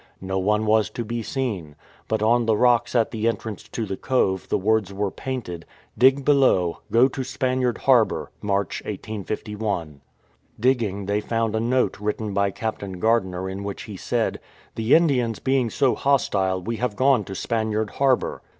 No one was to be seen, but on the rocks at the entrance to the cove the words were painted :— "DIG BELOW GO TO SPANIARD HARBOUR MARCH 1851" Digging they found a note written by Captain Gardiner in which he said, " The Indians being so hostile, we have gone to Spaniard Harbour."